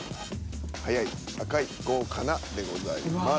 「速い」「赤い」「豪華な」でございます。